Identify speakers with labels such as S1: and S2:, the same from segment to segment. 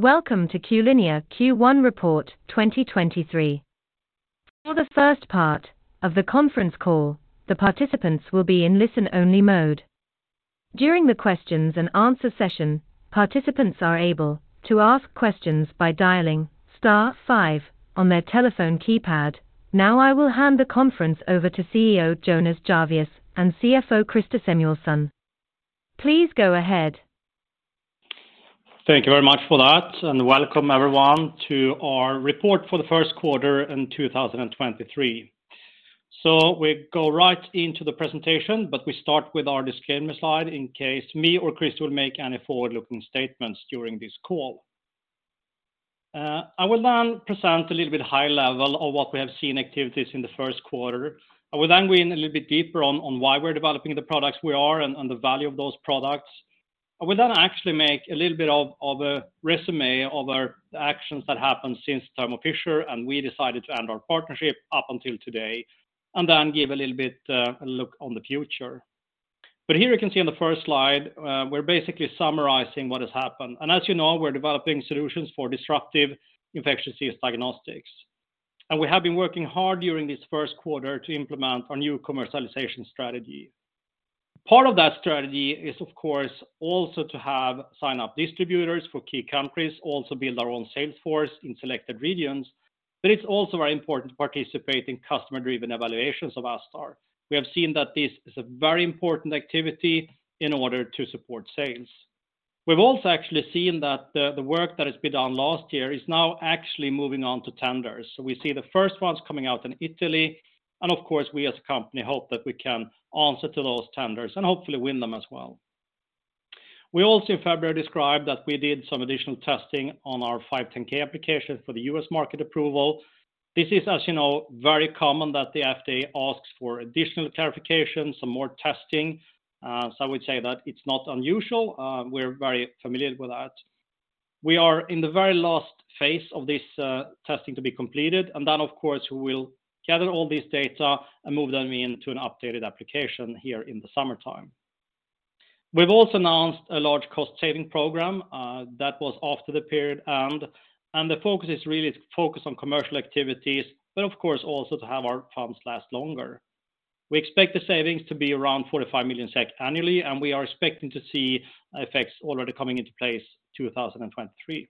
S1: Welcome to Q-linea Q1 Report 2023. For the first part of the conference call, the participants will be in listen-only mode. During the questions and answer session, participants are able to ask questions by dialing star five on their telephone keypad. Now, I will hand the conference over to CEO, Jonas Jarvius, and CFO, Christer Samuelsson. Please go ahead.
S2: Thank you very much for that. Welcome everyone to our report for the first quarter in 2023. We go right into the presentation, but we start with our disclaimer slide in case me or Chris will make any forward-looking statements during this call. I will present a little bit high level of what we have seen activities in the first quarter. I will go in a little bit deeper on why we're developing the products we are and the value of those products. I will actually make a little bit of a resume of our actions that happened since Thermo Fisher, and we decided to end our partnership up until today, and then give a little bit a look on the future. Here you can see on the first slide, we're basically summarizing what has happened. As you know, we're developing solutions for disruptive infectious disease diagnostics. We have been working hard during this first quarter to implement our new commercialization strategy. Part of that strategy is, of course, also to have sign-up distributors for key countries, also build our own sales force in selected regions. It's also very important to participate in customer-driven evaluations of ASTar. We have seen that this is a very important activity in order to support sales. We've also actually seen that the work that has been done last year is now actually moving on to tenders. We see the first ones coming out in Italy, and of course, we as a company hope that we can answer to those tenders and hopefully win them as well. We also in February described that we did some additional testing on our 510(k) application for the U.S. market approval. This is, as you know, very common that the FDA asks for additional clarification, some more testing. I would say that it's not unusual. We're very familiar with that. We are in the very last phase of this testing to be completed, then, of course, we'll gather all this data and move them into an updated application here in the summertime. We've also announced a large cost-saving program that was after the period end. The focus is really to focus on commercial activities, but of course, also to have our funds last longer. We expect the savings to be around 45 million SEK annually, we are expecting to see effects already coming into place 2023.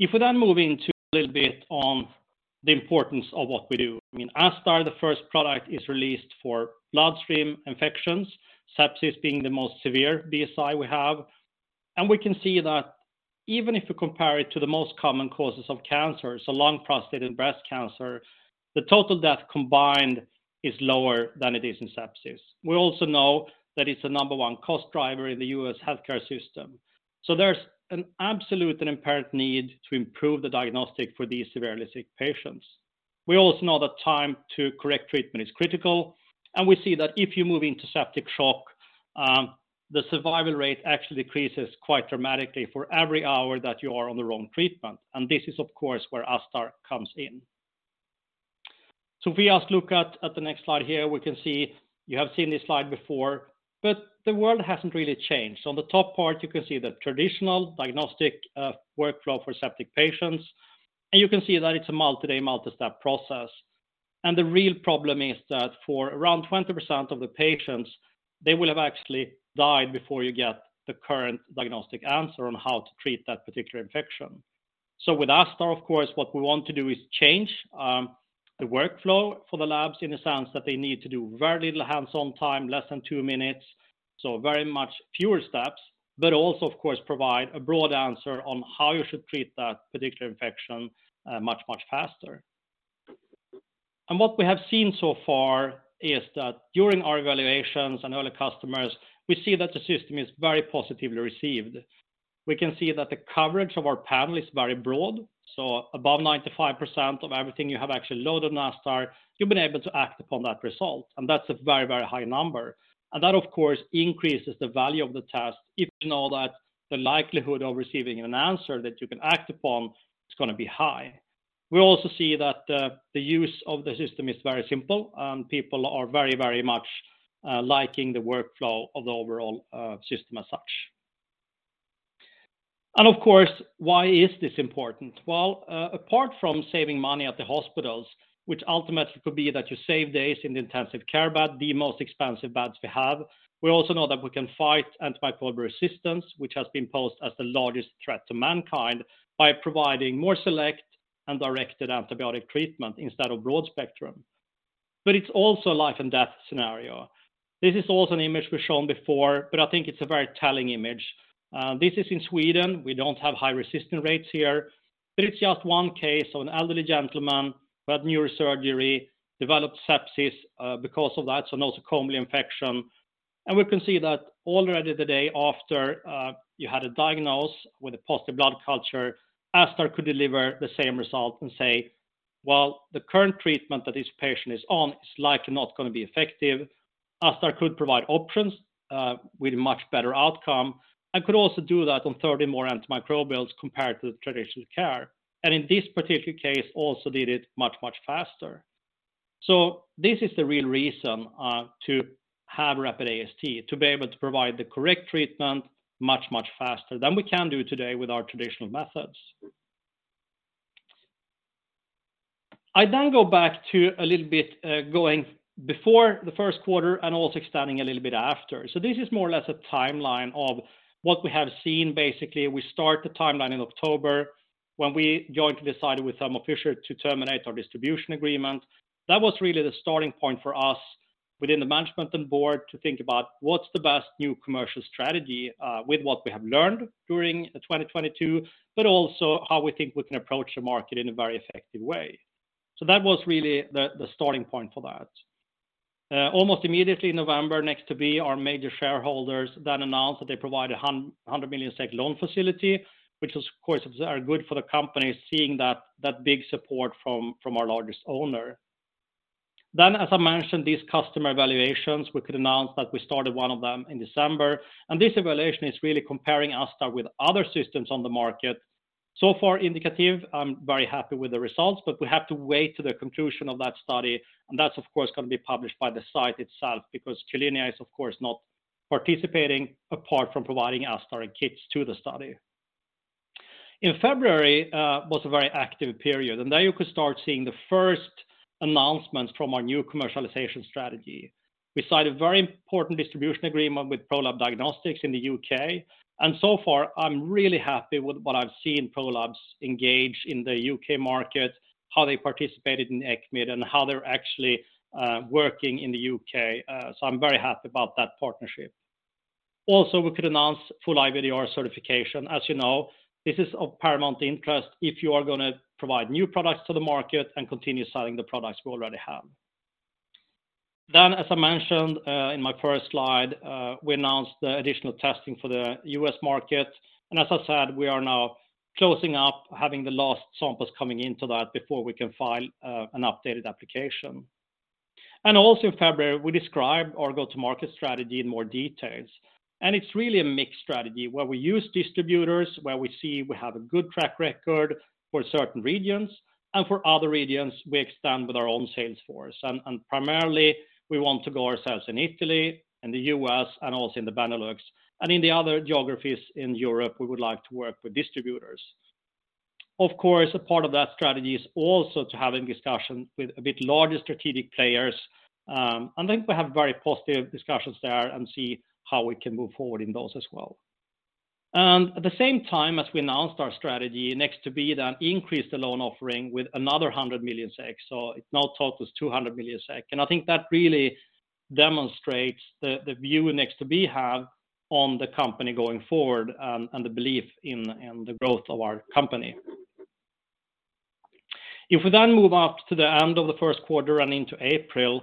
S2: We then move into a little bit on the importance of what we do. I mean, ASTar, the first product, is released for bloodstream infections, sepsis being the most severe BSI we have. We can see that even if you compare it to the most common causes of cancer, so lung, prostate, and breast cancer, the total death combined is lower than it is in sepsis. We also know that it's the number 1 cost driver in the U.S. healthcare system. There's an absolute and imperative need to improve the diagnostic for these severely sick patients. We also know that time to correct treatment is critical, and we see that if you move into septic shock, the survival rate actually decreases quite dramatically for every hour that you are on the wrong treatment. This is, of course, where ASTar comes in. If we just look at the next slide here, we can see you have seen this slide before, but the world hasn't really changed. On the top part, you can see the traditional diagnostic workflow for septic patients, and you can see that it's a multi-day, multi-step process. The real problem is that for around 20% of the patients, they will have actually died before you get the current diagnostic answer on how to treat that particular infection. With ASTar, of course, what we want to do is change the workflow for the labs in the sense that they need to do very little hands-on time, less than 2 minutes, so very much fewer steps, but also of course, provide a broad answer on how you should treat that particular infection much, much faster. What we have seen so far is that during our evaluations and early customers, we see that the system is very positively received. We can see that the coverage of our panel is very broad. Above 95% of everything you have actually loaded in ASTar, you've been able to act upon that result, and that's a very, very high number. That, of course, increases the value of the test if you know that the likelihood of receiving an answer that you can act upon is gonna be high. We also see that the use of the system is very simple, and people are very, very much liking the workflow of the overall system as such. Of course, why is this important? Well, apart from saving money at the hospitals, which ultimately could be that you save days in the intensive care bed, the most expensive beds we have, we also know that we can fight antimicrobial resistance, which has been posed as the largest threat to mankind by providing more select and directed antibiotic treatment instead of broad spectrum. It's also life and death scenario. This is also an image we've shown before, but I think it's a very telling image. This is in Sweden. We don't have high resistance rates here, but it's just one case of an elderly gentleman who had neurosurgery, developed sepsis because of that, so nosocomial infection. We can see that already the day after, you had a diagnosis with a positive blood culture, ASTar could deliver the same result and say, "Well, the current treatment that this patient is on is likely not gonna be effective." ASTar could provide options, with a much better outcome, and could also do that on 30 more antimicrobials compared to the traditional care. In this particular case, also did it much, much faster. This is the real reason, to have rapid AST, to be able to provide the correct treatment much, much faster than we can do today with our traditional methods. I go back to a little bit, going before the first quarter and also extending a little bit after. This is more or less a timeline of what we have seen. Basically, we start the timeline in October when we jointly decided with Thermo Fisher to terminate our distribution agreement. That was really the starting point for us within the management and board to think about what's the best new commercial strategy, with what we have learned during 2022, but also how we think we can approach the market in a very effective way. That was really the starting point for that. Almost immediately in November, Nexttobe, our major shareholders, then announced that they provide 100 million loan facility, which of course is, are good for the company, seeing that big support from our largest owner. As I mentioned, these customer evaluations, we could announce that we started one of them in December, and this evaluation is really comparing ASTar with other systems on the market. Far indicative, I'm very happy with the results. We have to wait to the conclusion of that study. That's of course, going to be published by the site itself because Q-linea is of course not participating apart from providing ASTar kits to the study. In February was a very active period. There you could start seeing the first announcements from our new commercialization strategy. We signed a very important distribution agreement with Pro-Lab Diagnostics in the U.K. So far I'm really happy with what I've seen Prolabs engage in the U.K. market, how they participated in ECCMID, how they're actually working in the U.K. So I'm very happy about that partnership. We could announce full IVDR certification. As you know, this is of paramount interest if you are gonna provide new products to the market and continue selling the products we already have. Then, as I mentioned, in my first slide, we announced the additional testing for the U.S. market. As I said, we are now closing up having the last samples coming into that before we can file an updated application. Also in February, we described our go-to-market strategy in more details. It's really a mixed strategy where we use distributors, where we see we have a good track record for certain regions and for other regions we extend with our own sales force. Primarily we want to go ourselves in Italy and the U.S. and also in the Benelux. In the other geographies in Europe, we would like to work with distributors. Of course, a part of that strategy is also to have a discussion with a bit larger strategic players. I think we have very positive discussions there and see how we can move forward in those as well. At the same time as we announced our strategy, Nexttobe increased the loan offering with another 100 million SEK, so it now totals 200 million SEK. I think that really demonstrates the view Nexttobe have on the company going forward, and the belief in the growth of our company. If we move up to the end of the first quarter and into April,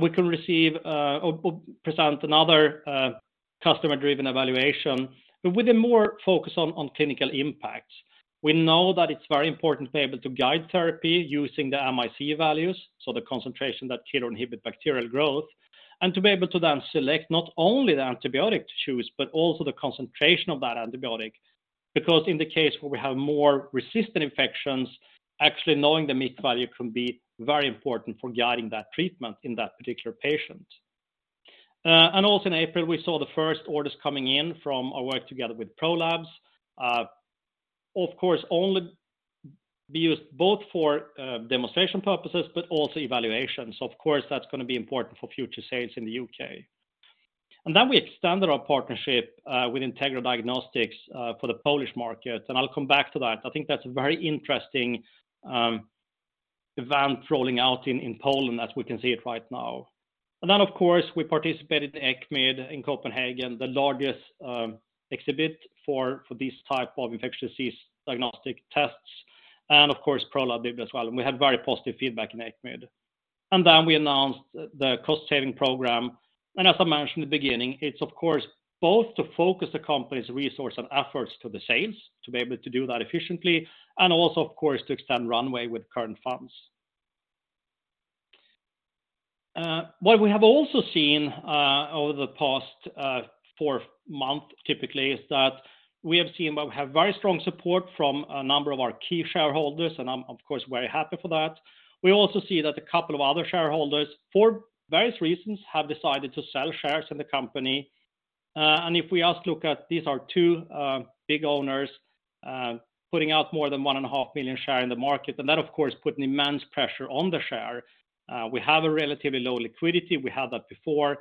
S2: we can receive, or present another customer-driven evaluation, but with a more focus on clinical impact. We know that it's very important to be able to guide therapy using the MIC values, so the concentration that kill or inhibit bacterial growth, and to be able to then select not only the antibiotic to choose, but also the concentration of that antibiotic. In the case where we have more resistant infections, actually knowing the MIC value can be very important for guiding that treatment in that particular patient. Also in April, we saw the first orders coming in from our work together with Prolabs. Of course, only be used both for demonstration purposes but also evaluations. Of course, that's gonna be important for future sales in the U.K.. Then we extended our partnership with Integra Diagnostics for the Polish market, and I'll come back to that. I think that's a very interesting event rolling out in Poland as we can see it right now. Of course, we participated in ECCMID in Copenhagen, the largest exhibit for these type of infectious disease diagnostic tests, and of course, Prolab did as well. We had very positive feedback in ECCMID. We announced the cost-saving program. As I mentioned in the beginning, it's of course both to focus the company's resource and efforts to the sales to be able to do that efficiently and also, of course, to extend runway with current funds. What we have also seen over the past 4 month typically is that we have very strong support from a number of our key shareholders, and I'm of course, very happy for that. We also see that a couple of other shareholders, for various reasons, have decided to sell shares in the company. If we just look at these are two big owners, putting out more than 1.5 million shares in the market. That of course, put an immense pressure on the share. We have a relatively low liquidity. We had that before.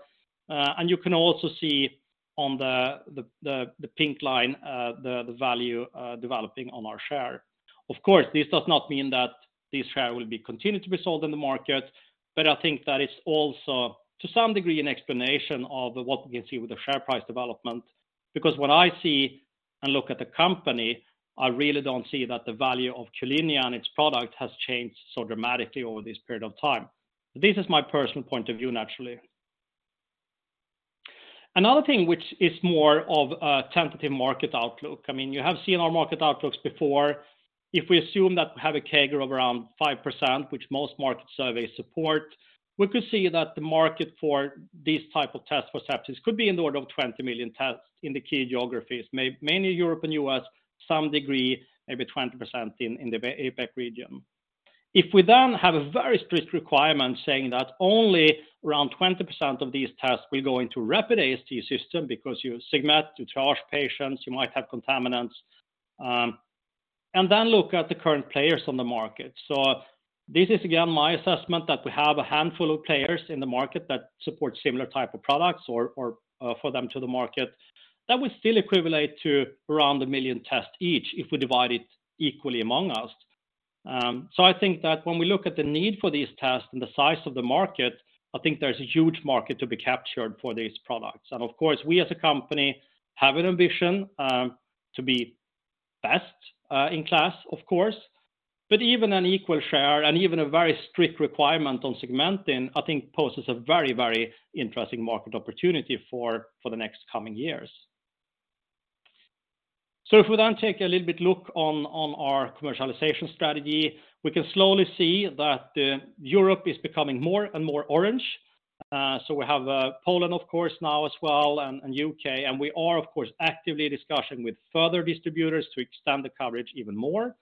S2: You can also see on the pink line, the value developing on our share. Of course, this does not mean that this share will be continued to be sold in the market, but I think that it's also to some degree an explanation of what we can see with the share price development. When I see and look at the company, I really don't see that the value of Q-linea and its product has changed so dramatically over this period of time. This is my personal point of view, naturally. Another thing which is more of a tentative market outlook. I mean, you have seen our market outlooks before. If we assume that we have a CAGR of around 5%, which most market surveys support. We could see that the market for these type of tests for sepsis could be in the order of 20 million tests in the key geographies, mainly Europe and U.S., some degree, maybe 20% in the APAC region. We have a very strict requirement saying that only around 20% of these tests will go into rapid AST system because you segment to charge patients, you might have contaminants, look at the current players on the market. This is again, my assessment that we have a handful of players in the market that support similar type of products or for them to the market. That would still equivalate to around 1 million tests each if we divide it equally among us. I think that when we look at the need for these tests and the size of the market, I think there's a huge market to be captured for these products. Of course, we as a company have an ambition to be best in class, of course. Even an equal share and even a very strict requirement on segmenting, I think poses a very, very interesting market opportunity for the next coming years. If we then take a little bit look on our commercialization strategy, we can slowly see that Europe is becoming more and more orange. We have Poland of course now as well and U.K., and we are of course, actively in discussion with further distributors to extend the coverage even more.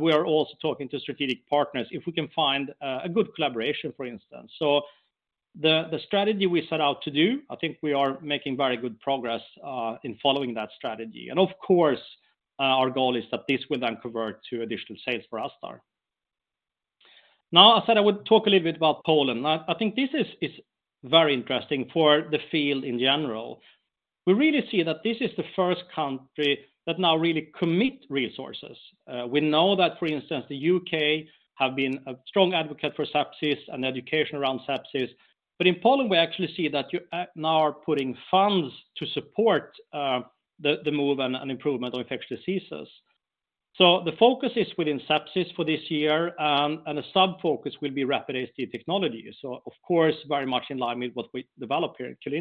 S2: We are also talking to strategic partners if we can find a good collaboration, for instance. The strategy we set out to do, I think we are making very good progress in following that strategy. Of course, our goal is that this will then convert to additional sales for ASTar. I said I would talk a little bit about Poland. I think this is very interesting for the field in general. We really see that this is the first country that now really commit resources. We know that, for instance, the U.K. have been a strong advocate for sepsis and education around sepsis. In Poland, we actually see that you now are putting funds to support the move and improvement on infectious diseases. The focus is within sepsis for this year, and the sub-focus will be rapid AST technology. Of course, very much in line with what we develop here at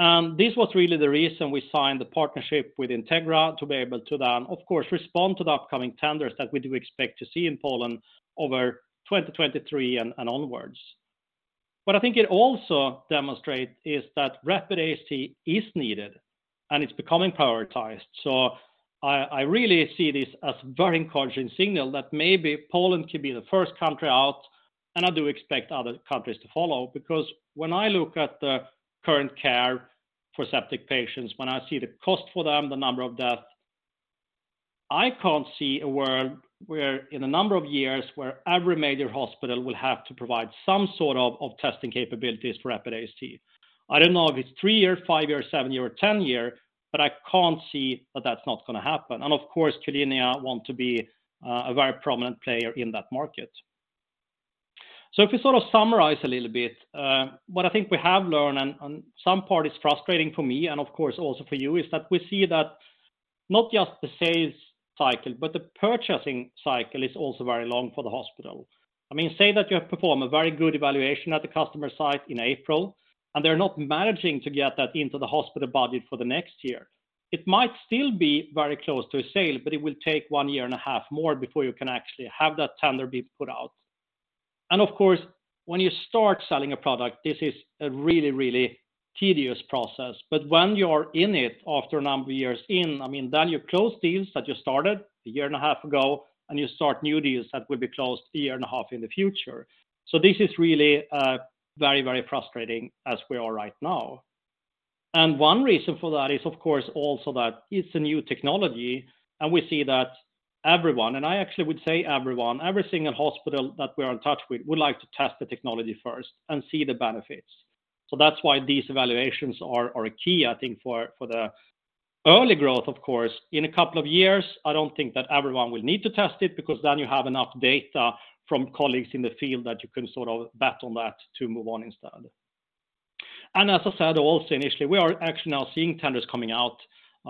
S2: Q-linea. This was really the reason we signed the partnership with Integra to be able to then, of course, respond to the upcoming tenders that we do expect to see in Poland over 2023 and onwards. I think it also demonstrate is that rapid AST is needed, and it's becoming prioritized. I really see this as very encouraging signal that maybe Poland could be the first country out, and I do expect other countries to follow, because when I look at the current care for septic patients, when I see the cost for them, the number of death, I can't see a world where in a number of years where every major hospital will have to provide some sort of testing capabilities for rapid AST. I don't know if it's 3 year, 5 year, 7 year, or 10 year, but I can't see that that's not gonna happen. Of course, Q-linea want to be a very prominent player in that market. If we sort of summarize a little bit what I think we have learned, and some part is frustrating for me and of course also for you, is that we see that not just the sales cycle, but the purchasing cycle is also very long for the hospital. I mean, say that you have performed a very good evaluation at the customer site in April, They're not managing to get that into the hospital budget for the next year. It might still be very close to a sale, but it will take 1 year and a half more before you can actually have that tender be put out. Of course, when you start selling a product, this is a really, really tedious process. When you're in it after a number of years in, I mean, then you close deals that you started a year and a half ago, and you start new deals that will be closed a year and a half in the future. This is really, very, very frustrating as we are right now. One reason for that is, of course, also that it's a new technology, and we see that everyone, and I actually would say everyone, every single hospital that we're in touch with would like to test the technology first and see the benefits. That's why these evaluations are key, I think for the early growth, of course. In a couple of years, I don't think that everyone will need to test it because then you have enough data from colleagues in the field that you can sort of bet on that to move on instead. As I said also initially, we are actually now seeing tenders coming out,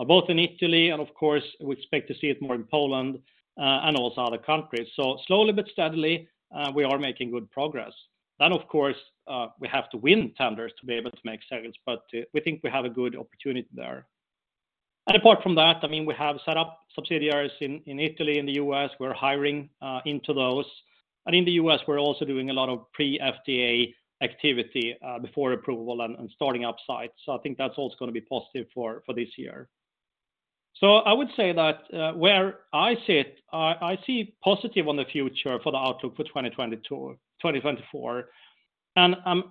S2: both in Italy and of course we expect to see it more in Poland, and also other countries. Slowly but steadily, we are making good progress. Of course, we have to win tenders to be able to make sales, but we think we have a good opportunity there. Apart from that, I mean, we have set up subsidiaries in Italy, in the U.S., we're hiring into those. In the U.S. we're also doing a lot of pre FDA activity before approval and starting up sites. I think that's also gonna be positive for this year. I would say that, where I sit, I see positive on the future for the outlook for 2022... 2024.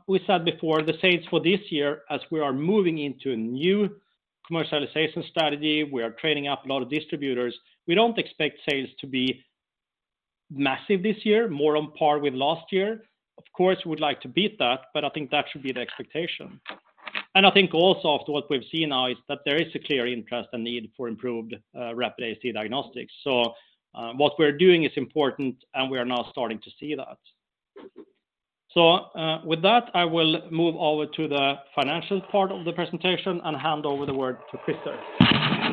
S2: We said before the sales for this year, as we are moving into a new commercialization strategy, we are training up a lot of distributors. We don't expect sales to be massive this year, more on par with last year. Of course, we would like to beat that, but I think that should be the expectation. I think also after what we've seen now is that there is a clear interest and need for improved, rapid AST diagnostics. What we're doing is important and we are now starting to see that. With that, I will move over to the financial part of the presentation and hand over the word to Christer.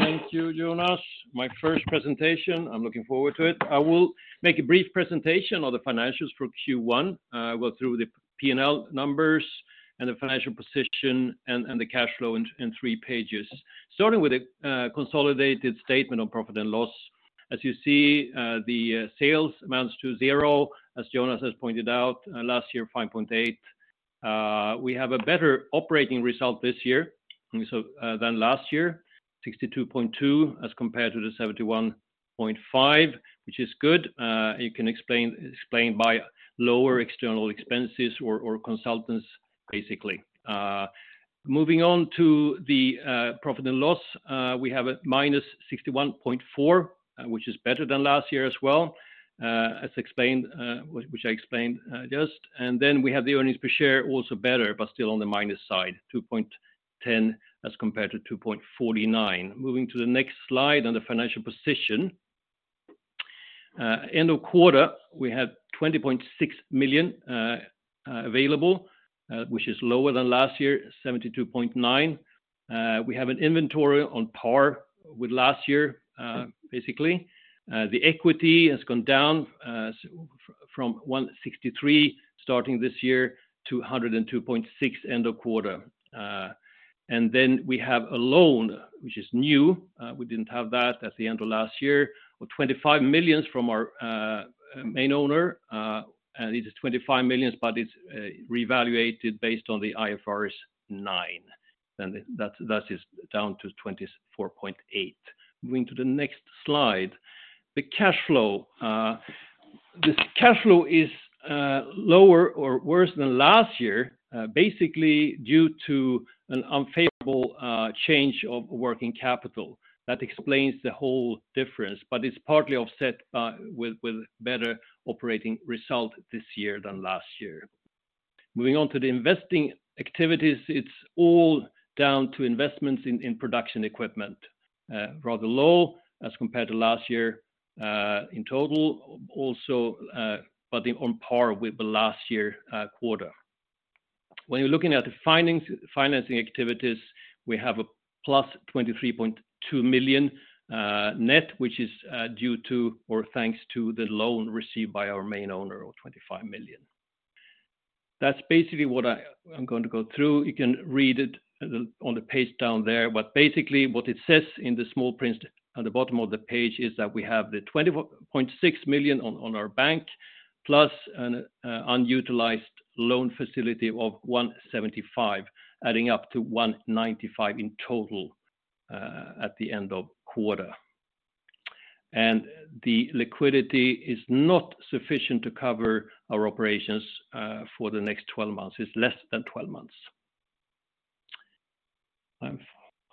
S3: Thank you, Jonas. My first presentation, I'm looking forward to it. I will make a brief presentation of the financials for Q1. Go through the P&L numbers and the financial position and the cash flow in three pages, starting with the consolidated statement of profit and loss. As you see, the sales amounts to zero, as Jonas has pointed out. Last year, 5.8. We have a better operating result this year than last year, 62.2 as compared to 71.5, which is good. You can explain by lower external expenses or consultants, basically. Moving on to the profit and loss. We have a minus 61.4, which is better than last year as well, as explained. We have the earnings per share, also better, but still on the minus side, 2.10 as compared to 2.49. Moving to the next slide on the financial position. End of quarter, we have 20.6 million available, which is lower than last year, 72.9 million. We have an inventory on par with last year, basically. The equity has gone down from 163 million starting this year to 102.6 million end of quarter. We have a loan, which is new. We didn't have that at the end of last year. With 25 million from our main owner, and it is 25 million, but it's reevaluated based on the IFRS 9, and that is down to 24.8 million. Moving to the next slide. The cash flow. This cash flow is lower or worse than last year, basically due to an unfavorable change of working capital. That explains the whole difference, but it's partly offset with better operating result this year than last year. Moving on to the investing activities, it's all down to investments in production equipment. Rather low as compared to last year, in total also, but on par with the last year quarter. When you're looking at the financing activities, we have a +23.2 million net, which is due to or thanks to the loan received by our main owner of 25 million. That's basically what I'm going to go through. You can read it on the page down there. Basically, what it says in the small print at the bottom of the page is that we have 24.6 million on our bank, plus an unutilized loan facility of 175 million, adding up to 195 million in total at the end of quarter. The liquidity is not sufficient to cover our operations for the next 12 months. It's less than 12 months. I'm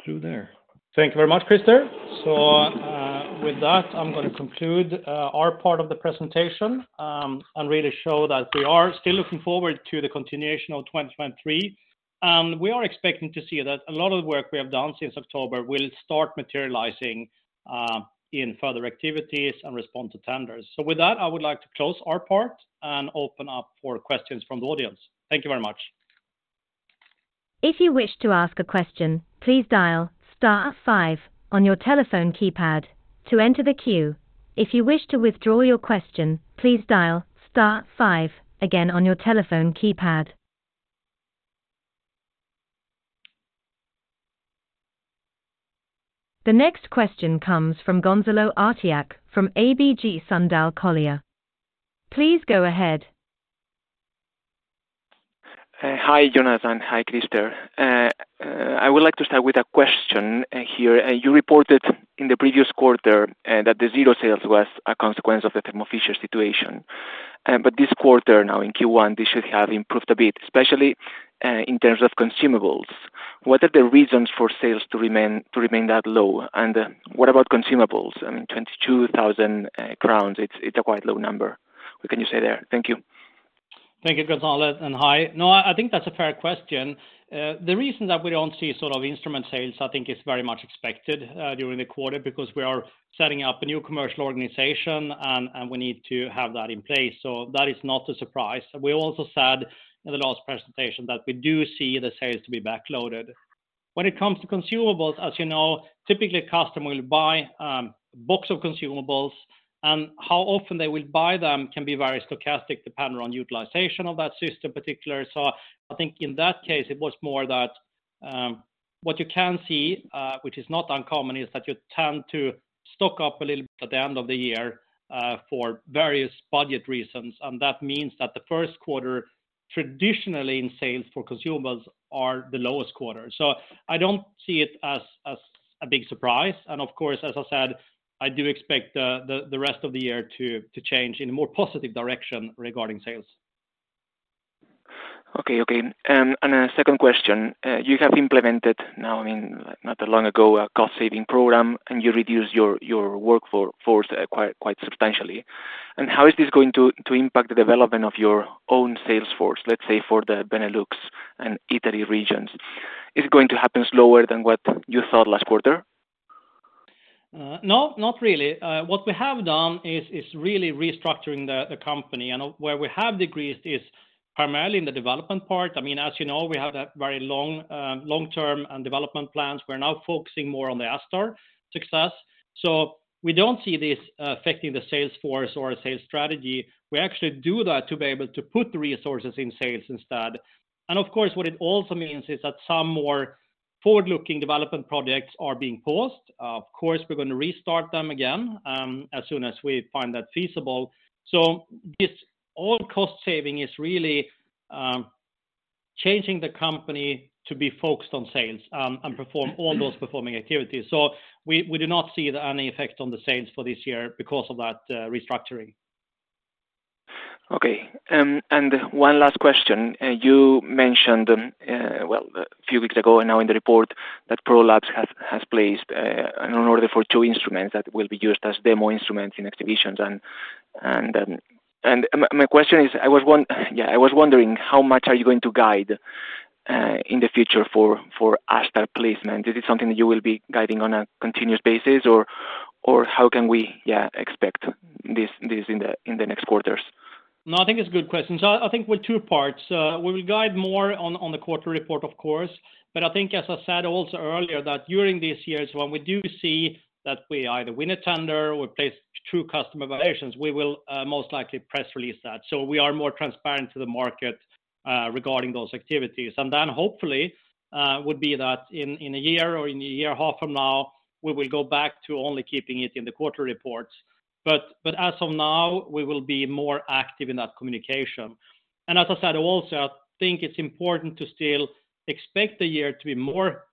S3: through there.
S2: Thank you very much, Christer. With that, I'm gonna conclude our part of the presentation, and really show that we are still looking forward to the continuation of 23. We are expecting to see that a lot of work we have done since October will start materializing in further activities and respond to tenders. With that, I would like to close our part and open up for questions from the audience. Thank you very much.
S1: If you wish to ask a question, please dial star five on your telephone keypad to enter the queue. If you wish to withdraw your question, please dial star five again on your telephone keypad. The next question comes from Gonzalo Gortazar from ABG Sundal Collier. Please go ahead.
S4: Hi, Jonas. Hi, Christer. I would like to start with a question here. You reported in the previous quarter that the zero sales was a consequence of the Thermo Fisher situation. This quarter now in Q1, this should have improved a bit, especially in terms of consumables. What are the reasons for sales to remain that low? What about consumables? 22,000 crowns, it's a quite low number. What can you say there? Thank you.
S2: Thank you, Gonzalo, and hi. No, I think that's a fair question. The reason that we don't see sort of instrument sales, I think is very much expected, during the quarter because we are setting up a new commercial organization and we need to have that in place. That is not a surprise. We also said in the last presentation that we do see the sales to be backloaded. When it comes to consumables, as you know, typically a customer will buy, books of consumables, and how often they will buy them can be very stochastic, depending on utilization of that system particular. I think in that case it was more that, what you can see, which is not uncommon, is that you tend to stock up a little bit at the end of the year, for various budget reasons. That means that the first quarter, traditionally in sales for consumables are the lowest quarter. I don't see it as a big surprise. Of course, as I said, I do expect the rest of the year to change in a more positive direction regarding sales.
S4: Okay. Okay. A second question. You have implemented now, I mean, not that long ago, a cost-saving program. You reduced your workforce quite substantially. How is this going to impact the development of your own sales force, let's say, for the Benelux and Italy regions? Is it going to happen slower than what you thought last quarter?
S2: No, not really. What we have done is really restructuring the company. Where we have decreased is primarily in the development part. I mean, as you know, we have that very long, long-term and development plans. We're now focusing more on the ASTar success. We don't see this affecting the sales force or our sales strategy. We actually do that to be able to put the resources in sales instead. Of course, what it also means is that some moreForward-looking development projects are being paused. Of course, we're going to restart them again, as soon as we find that feasible. This all cost saving is really, changing the company to be focused on sales, and perform all those performing activities. We do not see any effect on the sales for this year because of that restructuring.
S4: Okay. One last question. You mentioned, well, a few weeks ago and now in the report that Prolab has placed an order for two instruments that will be used as demo instruments in exhibitions. My question is, I was wondering, how much are you going to guide in the future for ASTar placement? Is it something that you will be guiding on a continuous basis, or how can we expect this in the next quarters?
S2: I think it's a good question. I think with two parts. We will guide more on the quarter report, of course. I think as I said also earlier that during these years when we do see that we either win a tender or place true customer evaluations, we will most likely press release that. We are more transparent to the market regarding those activities. Hopefully, would be that in a year or in a year half from now, we will go back to only keeping it in the quarter reports. As of now, we will be more active in that communication. As I said also, I think it's important to still expect the year to be more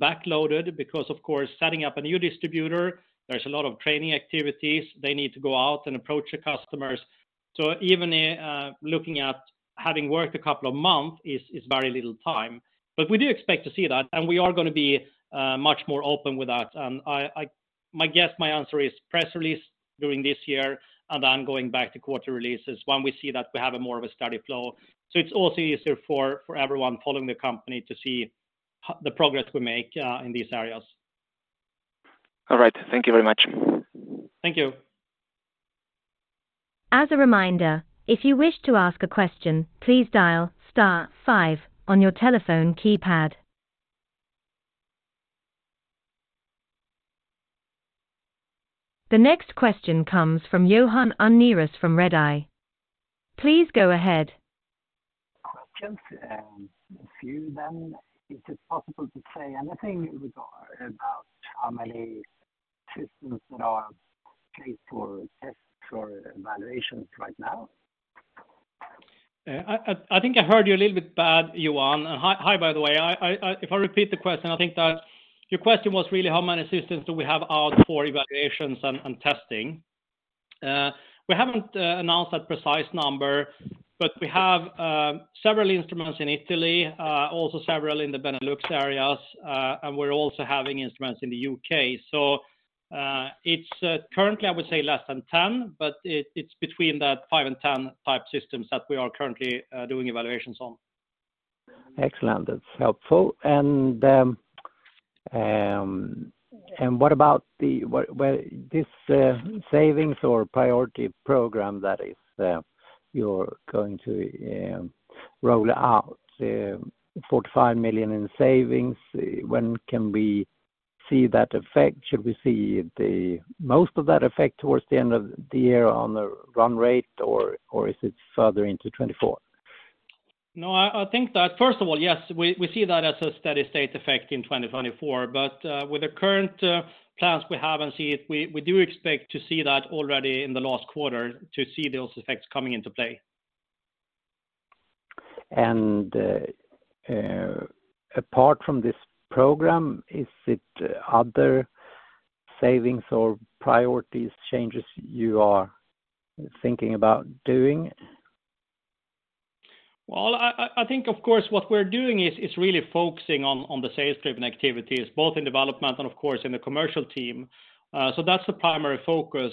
S2: backloaded because of course, setting up a new distributor, there's a lot of training activities. They need to go out and approach the customers. Even looking at having worked a couple of months is very little time. We do expect to see that, and we are gonna be much more open with that. My guess, my answer is press release during this year and then going back to quarter releases when we see that we have a more of a steady flow. It's also easier for everyone following the company to see the progress we make in these areas.
S4: All right. Thank you very much.
S2: Thank you.
S1: As a reminder, if you wish to ask a question, please dial star five on your telephone keypad. The next question comes from Johan Unnerus from Redeye. Please go ahead.
S5: Questions. A few then. Is it possible to say anything in regard about how many systems that are paid for test for evaluations right now?
S2: I think I heard you a little bit bad, Johan Unnerus. Hi, by the way. If I repeat the question, I think that your question was really how many systems do we have out for evaluations and testing. We haven't announced that precise number, but we have several instruments in Italy, also several in the Benelux areas, and we're also having instruments in the U.K.. It's currently, I would say less than 10, but it's between that five and 10 type systems that we are currently doing evaluations on.
S5: Excellent. That's helpful. What about this savings or priority program that is, you're going to, roll out, 45 million in savings, when can we see that effect? Should we see the most of that effect towards the end of the year on the run rate or is it further into 2024?
S2: I think that first of all, yes, we see that as a steady state effect in 2024. With the current plans we have and see it, we do expect to see that already in the last quarter to see those effects coming into play.
S5: apart from this program, is it other savings or priorities changes you are thinking about doing?
S2: Well, I think, of course, what we're doing is really focusing on the sales-driven activities, both in development and of course in the commercial team. That's the primary focus.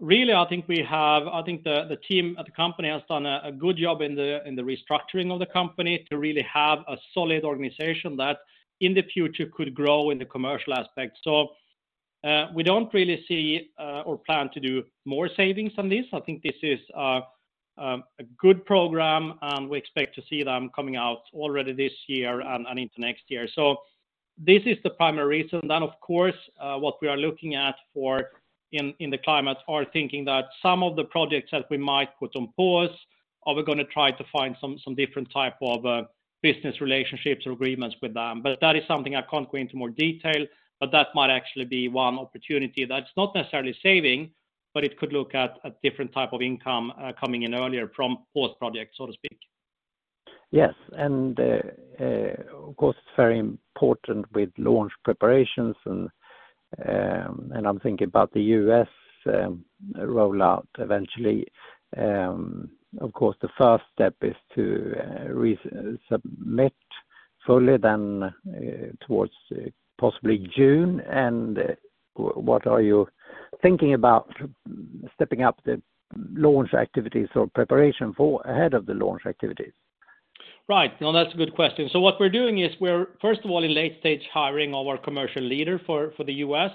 S2: Really, I think the team at the company has done a good job in the restructuring of the company to really have a solid organization that in the future could grow in the commercial aspect. We don't really see or plan to do more savings on this. I think this is a good program, and we expect to see them coming out already this year and into next year. This is the primary reason. Of course, what we are looking at for in the climate are thinking that some of the projects that we might put on pause, are we gonna try to find some different type of business relationships or agreements with them. That is something I can't go into more detail, but that might actually be one opportunity that's not necessarily saving, but it could look at a different type of income coming in earlier from post projects, so to speak.
S5: Yes. Of course, it's very important with launch preparations and I'm thinking about the U.S. rollout eventually. Of course, the first step is to re-submit fully then towards possibly June. What are you thinking about stepping up the launch activities or preparation for ahead of the launch activities?
S2: Right. No, that's a good question. What we're doing is we're first of all in late stage hiring our commercial leader for the U.S.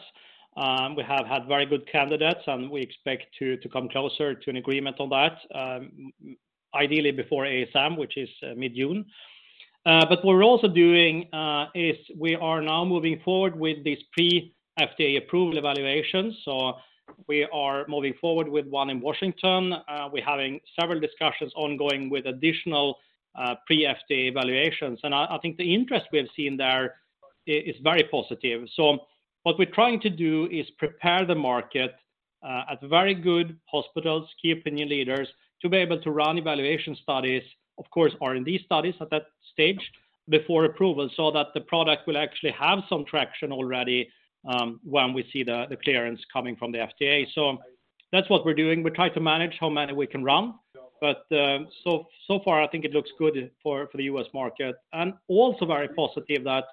S2: We have had very good candidates, and we expect to come closer to an agreement on that, ideally before ASM, which is mid-June. What we're also doing is we are now moving forward with these pre-FDA approval evaluations. We are moving forward with one in Washington. We're having several discussions ongoing with additional pre-FDA evaluations. I think the interest we have seen there is very positive. What we're trying to do is prepare the market, at very good hospitals, key opinion leaders to be able to run evaluation studies, of course, R&D studies at that stage before approval, so that the product will actually have some traction already, when we see the clearance coming from the FDA. That's what we're doing. We try to manage how many we can run. So far, I think it looks good for the U.S. market. Also very positive that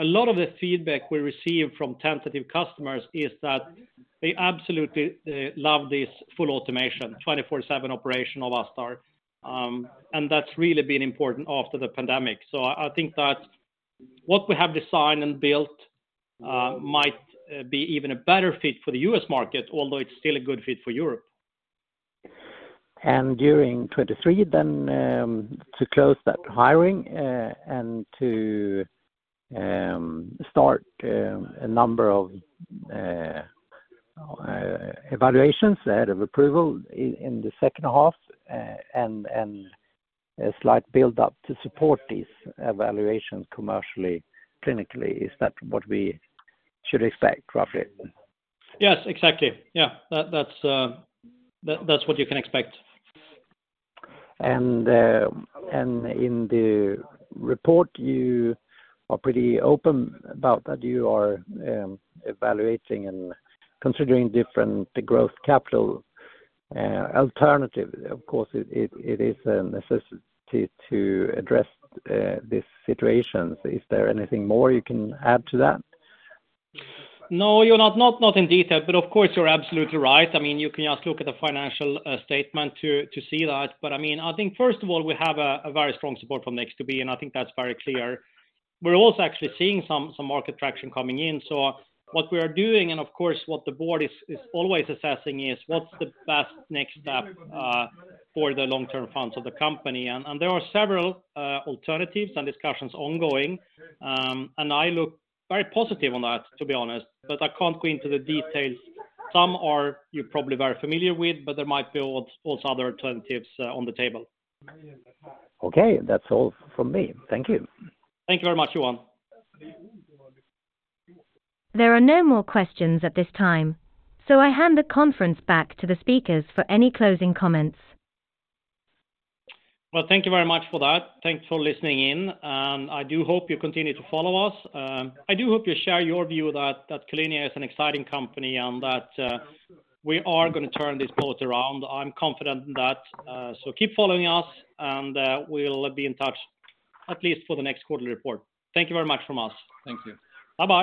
S2: a lot of the feedback we receive from tentative customers is that they absolutely, love this full automation, 24/7 operation of ASTar. That's really been important after the pandemic. I think that what we have designed and built, might be even a better fit for the U.S. market, although it's still a good fit for Europe.
S5: During 2023 then, to close that hiring, and to start a number of evaluations ahead of approval in the second half, and a slight buildup to support these evaluations commercially, clinically. Is that what we should expect, roughly?
S2: Yes, exactly. Yeah. That's what you can expect.
S5: In the report, you are pretty open about that you are evaluating and considering different growth capital alternative. Of course, it, it is a necessity to address this situation. Is there anything more you can add to that?
S2: No, you're not, not in detail. Of course, you're absolutely right. I mean, you can just look at the financial statement to see that. I mean, I think, first of all, we have a very strong support from Nexttobe, and I think that's very clear. We're also actually seeing some market traction coming in. What we are doing, and of course, what the board is always assessing is what's the best next step for the long-term funds of the company. There are several alternatives and discussions ongoing. I look very positive on that, to be honest. I can't go into the details. Some are, you're probably very familiar with. There might be also other alternatives on the table.
S5: Okay. That's all from me. Thank you.
S2: Thank you very much, Johan.
S1: There are no more questions at this time. I hand the conference back to the speakers for any closing comments.
S2: Well, thank you very much for that. Thanks for listening in. I do hope you continue to follow us. I do hope you share your view that Q-linea is an exciting company and that we are gonna turn this boat around. I'm confident in that. Keep following us, and we'll be in touch at least for the next quarter report. Thank you very much from us.
S3: Thank you.
S2: Bye-bye.